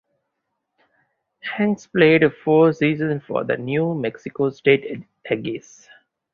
Hanks played four seasons for the New Mexico State Aggies.